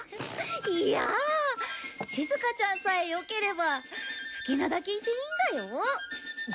いやあしずかちゃんさえよければ好きなだけいていいんだよ。